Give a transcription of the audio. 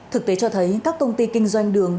thực tế cho thấy các công ty kinh doanh đường